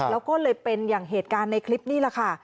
แล้วก็เลยเป็นอย่างเหตุการณ์ในคลิปนี่แหละค่ะ